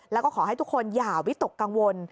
แล้วก็ขอให้ทุกคนอย่าวิตกกังวล